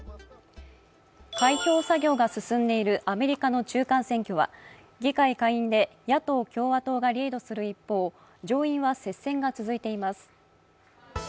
開票作業が進んでいるアメリカの中間選挙は議会下院で野党・共和党がリードする一方、上院は接戦が続いています。